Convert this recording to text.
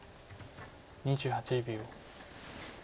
２８秒。